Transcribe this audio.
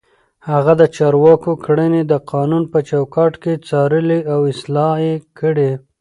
هغه د چارواکو کړنې د قانون په چوکاټ کې څارلې او اصلاح يې کړې.